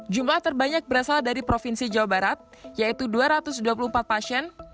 jumlah terbanyak berasal dari provinsi jawa barat yaitu dua ratus dua puluh empat pasien